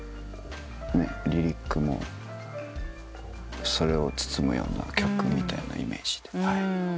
リリックもそれを包むような曲みたいなイメージで。